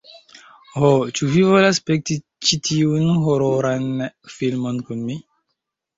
Ho, ĉu vi volas spekti ĉi tiun hororan filmon kun mi?